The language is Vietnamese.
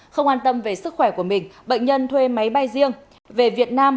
không an tâm về sức khỏe của mình bệnh nhân thuê máy bay riêng về việt nam